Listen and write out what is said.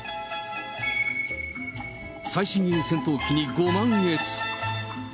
最新鋭戦闘機にご満悦。